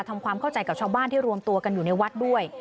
ทำความเข้าใจกับชาวบ้านที่รวมตัวกันอยู่ในวัดด้วย